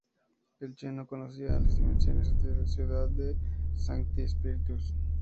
El Che no conocía de las dimensiones de la ciudad de Sancti Spíritus.